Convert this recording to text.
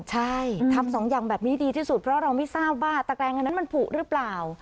ใช่ทำสองอย่างแบบนี้ดีที่สุดเพราะเราไม่ทราบว่าตะแกรงอันนั้นมันผูกหรือเปล่า